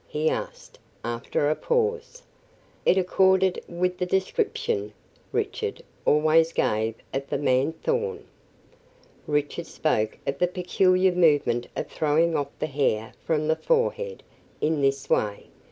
he asked, after a pause. "It accorded with the description Richard always gave of the man Thorn." "Richard spoke of the peculiar movement of throwing off the hair from the forehead in this way.